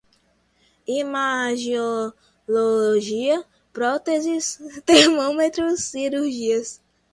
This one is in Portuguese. imagiologia, próteses, termômetros, cirúrgicas